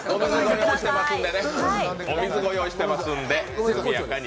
お水ご用意しているので、速やかに。